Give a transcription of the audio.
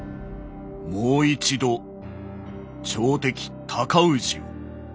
「もう一度朝敵尊氏を討て」。